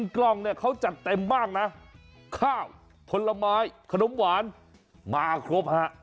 กล้องเนี่ยเขาจัดเต็มมากนะข้าวผลไม้ขนมหวานมาครบฮะ